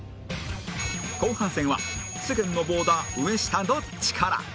後半戦は世間のボーダー上下どっち？から